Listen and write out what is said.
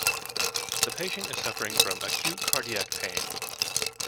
The patient is suffering from acute cardiac pain.